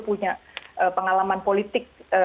punya pengalaman politik